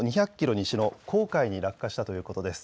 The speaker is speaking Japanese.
西の黄海に落下したということです。